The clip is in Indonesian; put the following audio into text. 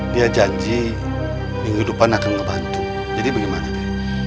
dia janji minggu depan akan ngebantu jadi bagaimana dia